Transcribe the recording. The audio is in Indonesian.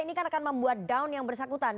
ini kan akan membuat down yang bersangkutan